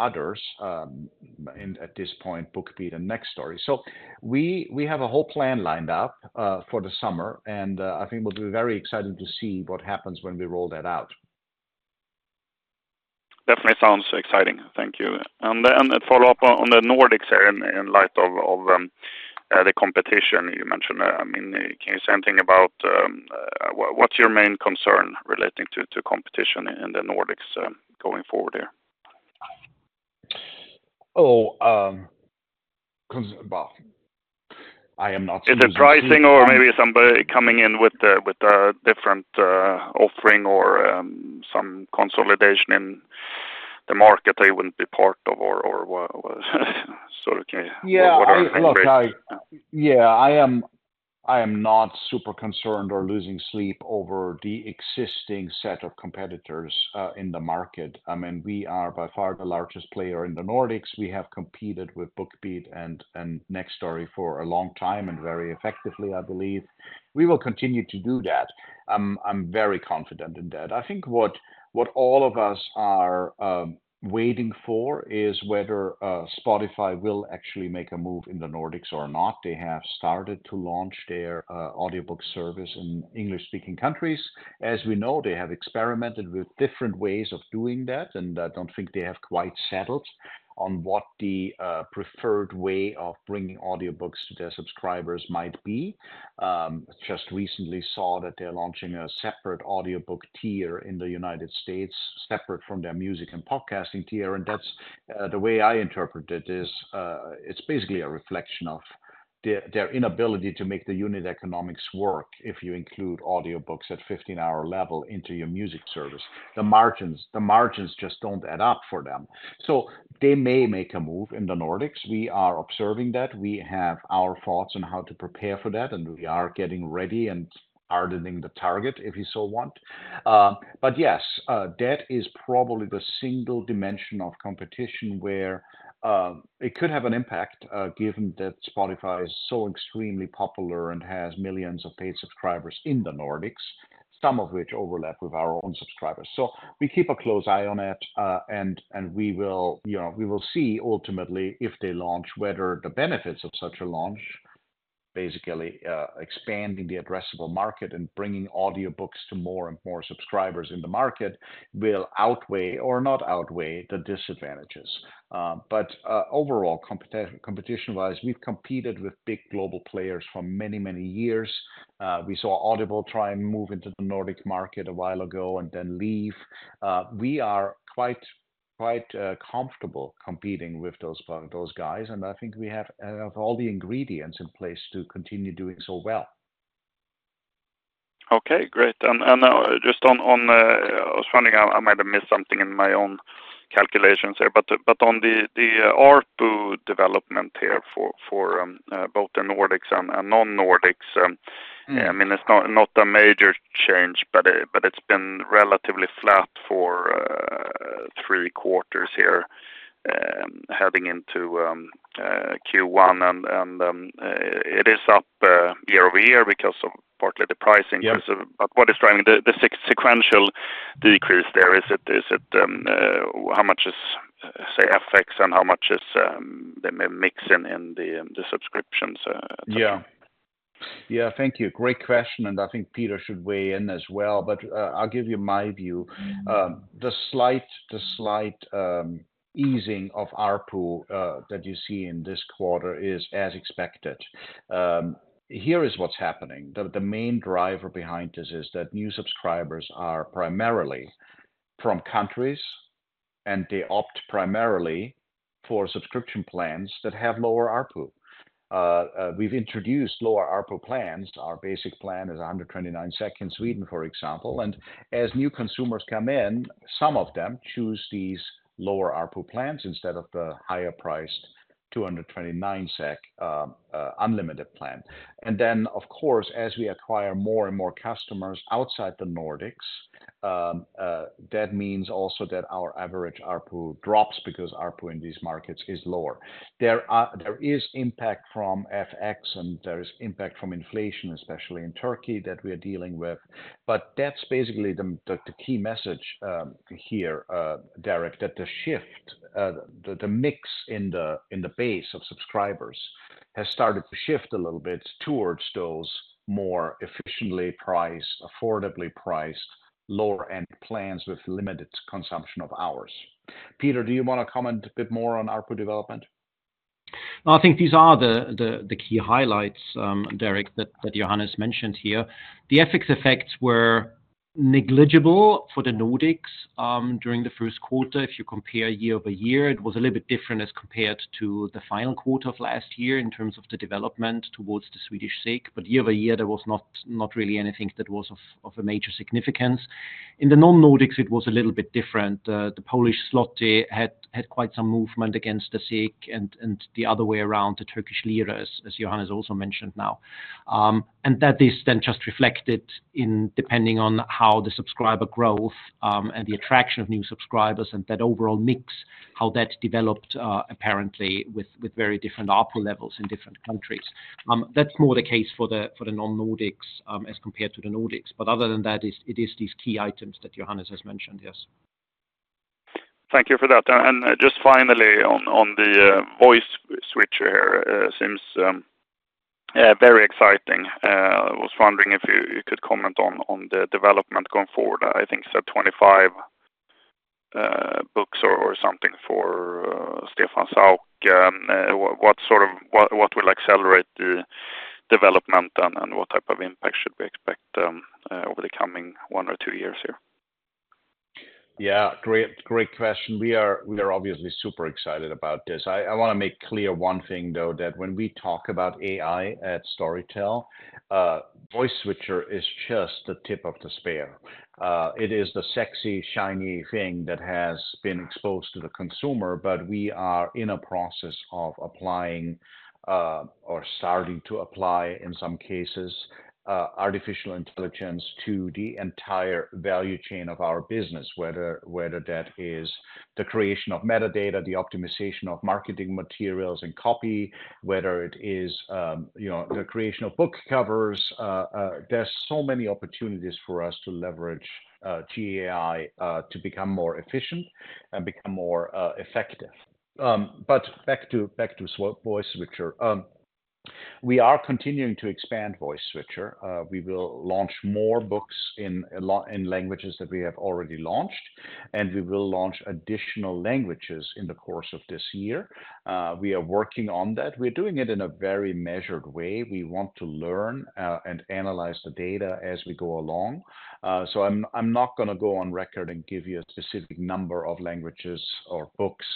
Speaker 1: others at this point, BookBeat and Nextory. So we have a whole plan lined up for the summer, and I think we'll be very excited to see what happens when we roll that out.
Speaker 5: Definitely sounds exciting. Thank you. And then a follow-up on the Nordics in light of the competition you mentioned. I mean, can you say anything about what's your main concern relating to competition in the Nordics going forward here?
Speaker 1: Oh, well, I am not-
Speaker 5: Is it pricing or maybe somebody coming in with a different offering or some consolidation in the market they wouldn't be part of, or what? So can you-
Speaker 1: Yeah-
Speaker 5: What are your concerns?...
Speaker 1: Look, I, yeah, I am not super concerned or losing sleep over the existing set of competitors in the market. I mean, we are by far the largest player in the Nordics. We have competed with BookBeat and Nextory for a long time, and very effectively, I believe. We will continue to do that. I'm very confident in that. I think what all of us are waiting for is whether Spotify will actually make a move in the Nordics or not. They have started to launch their audiobook service in English-speaking countries. As we know, they have experimented with different ways of doing that, and I don't think they have quite settled on what the preferred way of bringing audiobooks to their subscribers might be. Just recently saw that they're launching a separate audiobook tier in the United States, separate from their music and podcasting tier. That's the way I interpret it is, it's basically a reflection of their inability to make the unit economics work if you include audiobooks at 15-hour level into your music service. The margins just don't add up for them. So they may make a move in the Nordics. We are observing that. We have our thoughts on how to prepare for that, and we are getting ready and hardening the target, if you so want... But yes, that is probably the single dimension of competition where it could have an impact, given that Spotify is so extremely popular and has millions of paid subscribers in the Nordics, some of which overlap with our own subscribers. So we keep a close eye on it, and we will, you know, we will see ultimately, if they launch, whether the benefits of such a launch, basically, expanding the addressable market and bringing audiobooks to more and more subscribers in the market, will outweigh or not outweigh the disadvantages. But overall, competition-wise, we've competed with big global players for many, many years. We saw Audible try and move into the Nordic market a while ago and then leave. We are quite comfortable competing with those guys, and I think we have all the ingredients in place to continue doing so well.
Speaker 5: Okay, great. Just on, I was wondering, I might have missed something in my own calculations here, but on the ARPU development here for both the Nordics and non-Nordics,
Speaker 1: Mm.
Speaker 5: I mean, it's not a major change, but it's been relatively flat for three quarters here, heading into Q1. And it is up year-over-year because of partly the pricing-
Speaker 1: Yeah
Speaker 5: But what is driving the sequential decrease there? Is it how much is, say, FX and how much is the mixing in the subscriptions?
Speaker 1: Yeah. Yeah, thank you. Great question, and I think Peter should weigh in as well, but, I'll give you my view.
Speaker 5: Mm.
Speaker 1: The slight easing of ARPU that you see in this quarter is as expected. Here is what's happening. The main driver behind this is that new subscribers are primarily from countries, and they opt primarily for subscription plans that have lower ARPU. We've introduced lower ARPU plans. Our basic plan is under 29 SEK in Sweden, for example, and as new consumers come in, some of them choose these lower ARPU plans instead of the higher priced 229 SEK unlimited plan. And then, of course, as we acquire more and more customers outside the Nordics, that means also that our average ARPU drops because ARPU in these markets is lower. There is impact from FX, and there is impact from inflation, especially in Turkey, that we are dealing with, but that's basically the key message here, Derek, that the shift, the mix in the base of subscribers has started to shift a little bit towards those more efficiently priced, affordably priced, lower-end plans with limited consumption of hours. Peter, do you wanna comment a bit more on ARPU development?
Speaker 2: I think these are the key highlights, Derek, that Johannes mentioned here. The FX effects were negligible for the Nordics during the first quarter. If you compare year-over-year, it was a little bit different as compared to the final quarter of last year in terms of the development towards the Swedish SEK. But year-over-year, there was not really anything that was of a major significance. In the non-Nordics, it was a little bit different. The Polish zloty had quite some movement against the SEK, and the other way around, the Turkish liras, as Johannes also mentioned now. And that is then just reflected in depending on how the subscriber growth and the attraction of new subscribers and that overall mix, how that developed, apparently with very different ARPU levels in different countries. That's more the case for the non-Nordics, as compared to the Nordics. But other than that, it is these key items that Johannes has mentioned. Yes.
Speaker 5: Thank you for that. And just finally on the Voice Switcher, seems yeah very exciting. I was wondering if you could comment on the development going forward. I think it's at 25 books or something for Stefan Sauk. What sort of what will accelerate the development, and what type of impact should we expect over the coming one or two years here?
Speaker 1: Yeah, great, great question. We are-- We are obviously super excited about this. I, I wanna make clear one thing, though, that when we talk about AI at Storytel, voice switcher is just the tip of the spear. It is the sexy, shiny thing that has been exposed to the consumer, but we are in a process of applying, or starting to apply, in some cases, artificial intelligence to the entire value chain of our business, whether, whether that is the creation of metadata, the optimization of marketing materials and copy, whether it is, you know, the creation of book covers. There's so many opportunities for us to leverage, GAI, to become more efficient and become more, effective. But back to, back to voice switcher. We are continuing to expand voice switcher. We will launch more books in languages that we have already launched, and we will launch additional languages in the course of this year. We are working on that. We're doing it in a very measured way. We want to learn and analyze the data as we go along. I'm not gonna go on record and give you a specific number of languages or books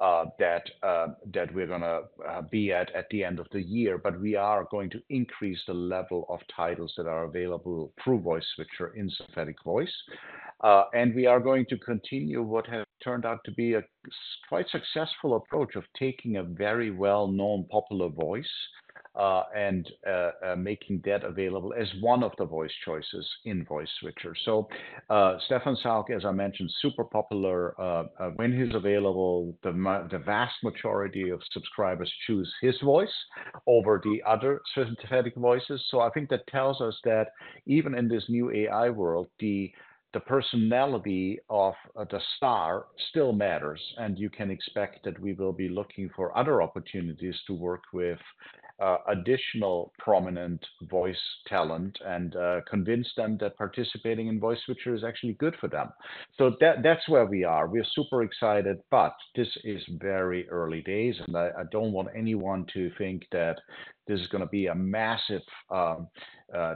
Speaker 1: that we're gonna be at the end of the year, but we are going to increase the level of titles that are available through Voice Switcher in synthetic voice. We are going to continue what has turned out to be a quite successful approach of taking a very well-known, popular voice and making that available as one of the voice choices in Voice Switcher. So, Stefan Sauk, as I mentioned, super popular. When he's available, the vast majority of subscribers choose his voice over the other synthetic voices. So I think that tells us that even in this new AI world, the personality of the star still matters, and you can expect that we will be looking for other opportunities to work with additional prominent voice talent and convince them that participating in Voice Switcher is actually good for them. So that's where we are. We are super excited, but this is very early days, and I don't want anyone to think that this is gonna be a massive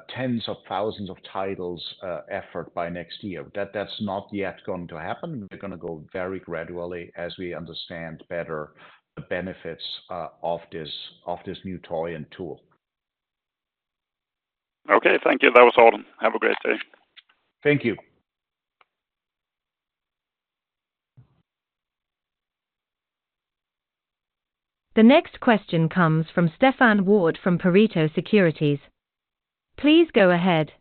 Speaker 1: tens of thousands of titles effort by next year. That's not yet going to happen. We're gonna go very gradually as we understand better the benefits of this new toy and tool.
Speaker 5: Okay, thank you. That was all. Have a great day.
Speaker 1: Thank you.
Speaker 3: The next question comes from Stefan Wård from Pareto Securities. Please go ahead.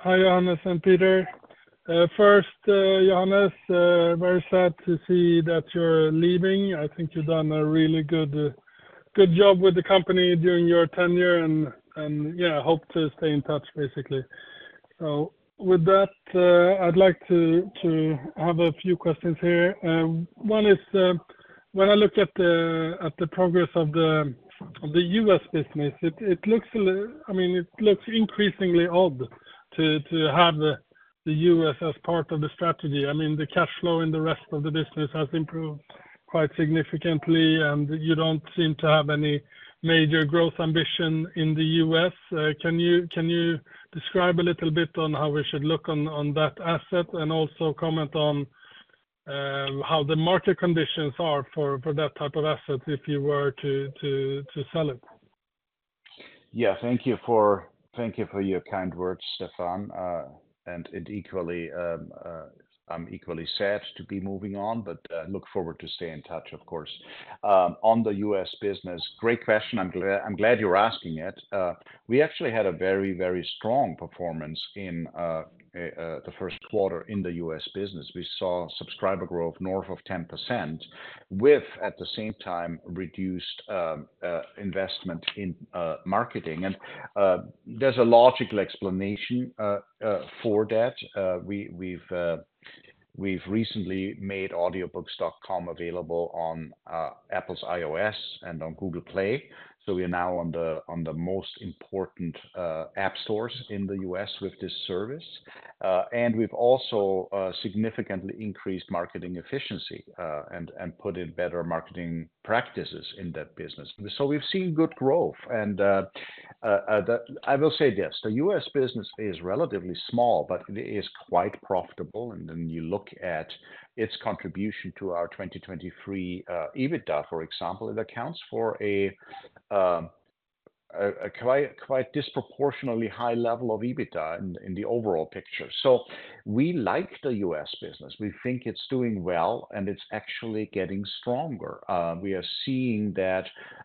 Speaker 6: Hi, Johannes and Peter. First, Johannes, very sad to see that you're leaving. I think you've done a really good good job with the company during your tenure and, yeah, I hope to stay in touch, basically. So with that, I'd like to have a few questions here. One is, when I look at the progress of the US business, it looks increasingly odd to have the US as part of the strategy. I mean, the cash flow in the rest of the business has improved quite significantly, and you don't seem to have any major growth ambition in the US. Can you describe a little bit on how we should look on that asset, and also comment on how the market conditions are for that type of asset, if you were to sell it?
Speaker 1: Yeah, thank you for your kind words, Stefan. And it equally, I'm equally sad to be moving on, but look forward to stay in touch, of course. On the U.S. business, great question. I'm glad you're asking it. We actually had a very, very strong performance in the first quarter in the U.S. business. We saw subscriber growth north of 10%, with, at the same time, reduced investment in marketing. And there's a logical explanation for that. We've recently made Audiobooks.com available on Apple's iOS and on Google Play, so we are now on the most important app stores in the U.S. with this service. We've also significantly increased marketing efficiency and put in better marketing practices in that business. We've seen good growth, and I will say this: the U.S. business is relatively small, but it is quite profitable. Then you look at its contribution to our 2023 EBITDA, for example, it accounts for a quite disproportionately high level of EBITDA in the overall picture. We like the U.S. business. We think it's doing well, and it's actually getting stronger. We are seeing that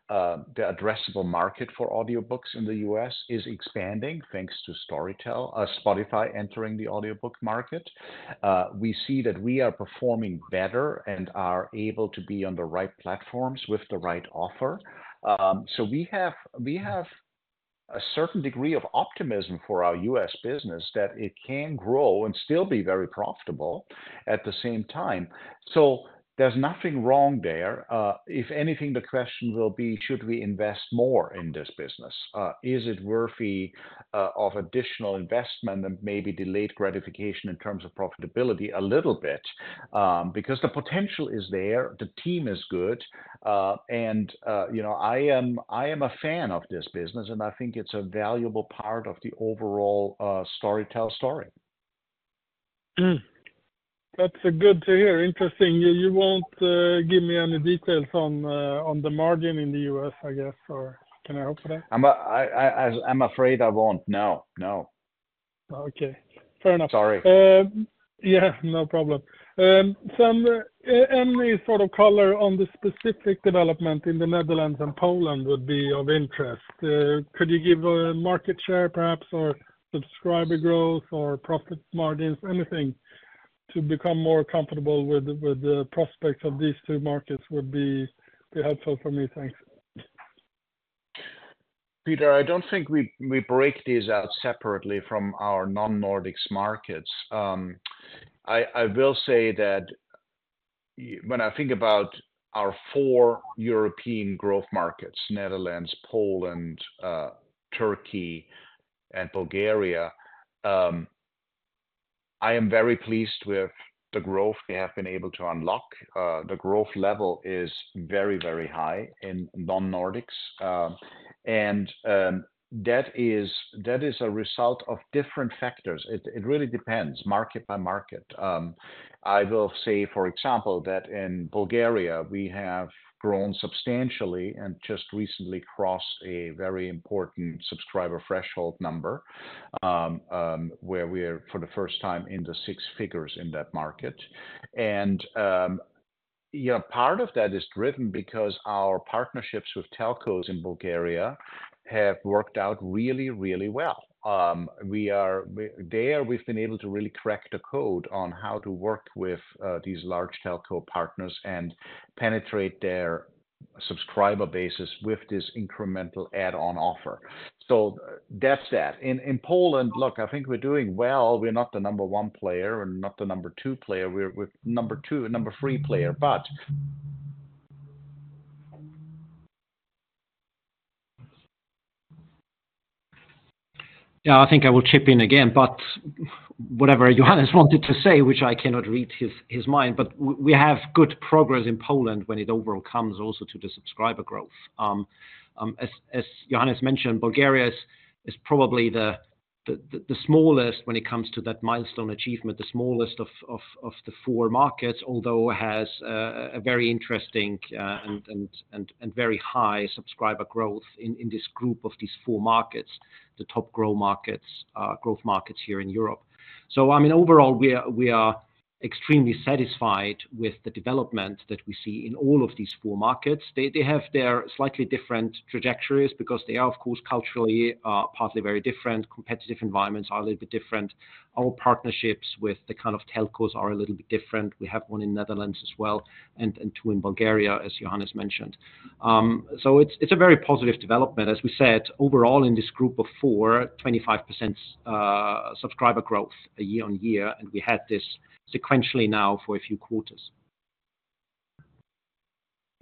Speaker 1: the addressable market for audiobooks in the U.S. is expanding, thanks to Storytel, Spotify entering the audiobook market. We see that we are performing better and are able to be on the right platforms with the right offer. So we have a certain degree of optimism for our US business that it can grow and still be very profitable at the same time. So there's nothing wrong there. If anything, the question will be: Should we invest more in this business? Is it worthy of additional investment and maybe delayed gratification in terms of profitability a little bit? Because the potential is there, the team is good, and you know, I am a fan of this business, and I think it's a valuable part of the overall Storytel story.
Speaker 6: Hmm. That's good to hear. Interesting. You won't give me any details on the margin in the US, I guess, or can I hope for that?
Speaker 1: I'm afraid I won't. No, no.
Speaker 6: Okay, fair enough.
Speaker 1: Sorry.
Speaker 6: Yeah, no problem. Any sort of color on the specific development in the Netherlands and Poland would be of interest. Could you give a market share, perhaps, or subscriber growth or profit margins? Anything to become more comfortable with the prospects of these two markets would be helpful for me. Thanks.
Speaker 1: Peter, I don't think we break these out separately from our non-Nordics markets. I will say that when I think about our four European growth markets, Netherlands, Poland, Turkey, and Bulgaria, I am very pleased with the growth we have been able to unlock. The growth level is very, very high in non-Nordics. And that is a result of different factors. It really depends, market by market. I will say, for example, that in Bulgaria, we have grown substantially and just recently crossed a very important subscriber threshold number, where we are, for the first time, in the six figures in that market. You know, part of that is driven because our partnerships with telcos in Bulgaria have worked out really, really well. We are there, we've been able to really crack the code on how to work with these large telco partners and penetrate their subscriber base with this incremental add-on offer. So that's that. In Poland, look, I think we're doing well. We're not the number one player and not the number two player. We're number two, number three player, but-
Speaker 2: Yeah, I think I will chip in again, but whatever Johannes wanted to say, which I cannot read his mind, but we have good progress in Poland when it overall comes also to the subscriber growth. As Johannes mentioned, Bulgaria is probably the smallest when it comes to that milestone achievement, the smallest of the four markets, although has a very interesting and very high subscriber growth in this group of these four markets, the top growth markets here in Europe. So I mean, overall, we are extremely satisfied with the development that we see in all of these four markets. They have their slightly different trajectories because they are, of course, culturally partly very different. Competitive environments are a little bit different. Our partnerships with the kind of telcos are a little bit different. We have one in Netherlands as well, and two in Bulgaria, as Johannes mentioned. So it's a very positive development. As we said, overall, in this group of four, 25% subscriber growth year-on-year, and we had this sequentially now for a few quarters.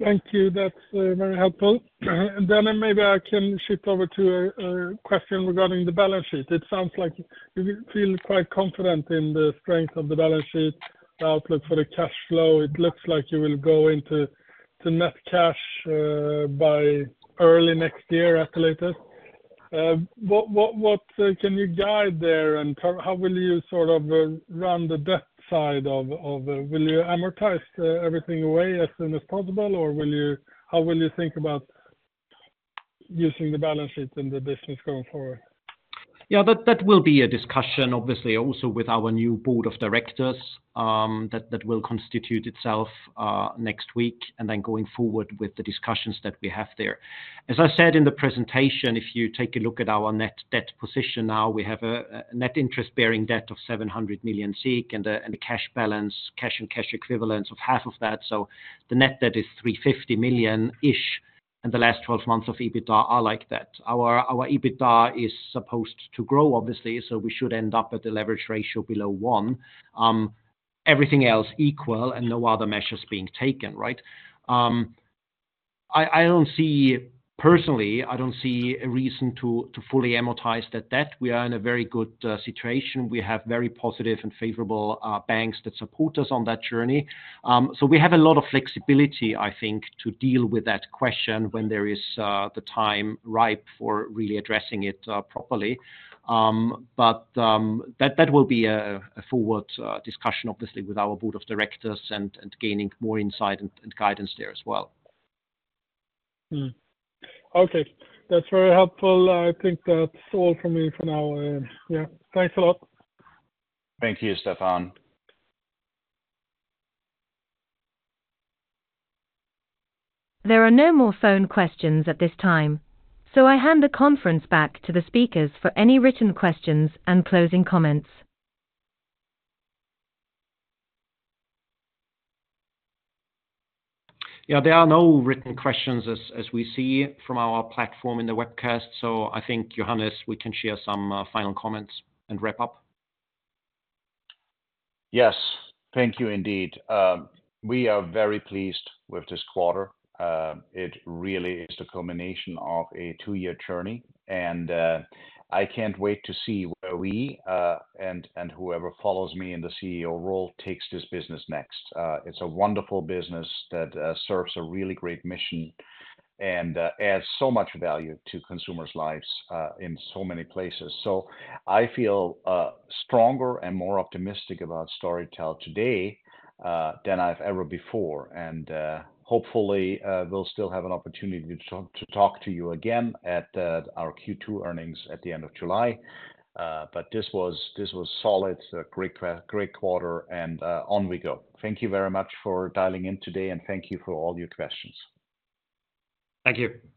Speaker 6: Thank you. That's very helpful. And then maybe I can shift over to a question regarding the balance sheet. It sounds like you feel quite confident in the strength of the balance sheet, the outlook for the cash flow. It looks like you will go into net cash by early next year, I calculated. What can you guide there, and how will you sort of run the debt side of... Will you amortize everything away as soon as possible, or will you... how will you think about using the balance sheet in the business going forward?
Speaker 2: Yeah, that will be a discussion, obviously, also with our new board of directors, that will constitute itself next week, and then going forward with the discussions that we have there. As I said in the presentation, if you take a look at our net debt position now, we have a net interest bearing debt of 700 million and a cash balance, cash and cash equivalents of SEK 350 million. So the net debt is 350 million-ish, and the last 12 months of EBITDA are like that. Our EBITDA is supposed to grow, obviously, so we should end up with a leverage ratio below 1. Everything else equal and no other measures being taken, right? I don't see... Personally, I don't see a reason to fully amortize that debt. We are in a very good situation. We have very positive and favorable banks that support us on that journey. So we have a lot of flexibility, I think, to deal with that question when there is the time ripe for really addressing it properly. But that will be a forward discussion, obviously, with our board of directors and gaining more insight and guidance there as well.
Speaker 6: Okay, that's very helpful. I think that's all from me for now. Yeah, thanks a lot.
Speaker 1: Thank you, Stefan.
Speaker 3: There are no more phone questions at this time, so I hand the conference back to the speakers for any written questions and closing comments.
Speaker 2: Yeah, there are no written questions as we see from our platform in the webcast. So I think, Johannes, we can share some final comments and wrap up.
Speaker 1: Yes, thank you indeed. We are very pleased with this quarter. It really is the culmination of a two-year journey, and I can't wait to see where we and whoever follows me in the CEO role takes this business next. It's a wonderful business that serves a really great mission and adds so much value to consumers' lives in so many places. So I feel stronger and more optimistic about Storytel today than I've ever before, and hopefully we'll still have an opportunity to talk to you again at our Q2 earnings at the end of July. But this was solid, a great quarter, and on we go. Thank you very much for dialing in today, and thank you for all your questions.
Speaker 2: Thank you.